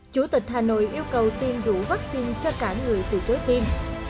chủ tịch hà nội yêu cầu tiêm đủ vaccine cho cả người từ chối tim